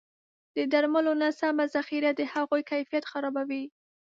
د درملو نه سمه ذخیره د هغوی کیفیت خرابوي.